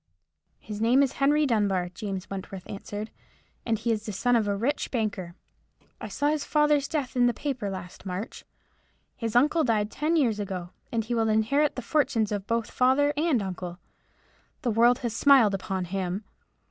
"His name is Henry Dunbar," James Wentworth answered, "and he is the son of a rich banker. I saw his father's death in the paper last March. His uncle died ten years ago, and he will inherit the fortunes of both father and uncle. The world has smiled upon him.